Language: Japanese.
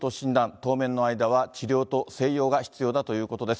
当面の間は治療と静養が必要だということです。